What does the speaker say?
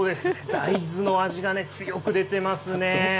大豆の味がね、強く出てますね。